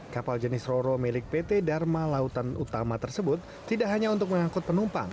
kapal jenis roro milik pt dharma lautan utama tersebut tidak hanya untuk mengangkut penumpang